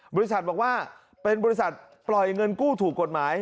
บริษัทบอกว่าเป็นบริษัทปล่อยเงินกู้ถูกกฎหมาย